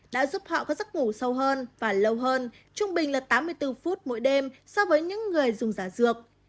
đã giúp họ có giấc ngủ sâu hơn và lâu hơn trung bình là tám mươi bốn phút mỗi đêm so với những người dùng giả dược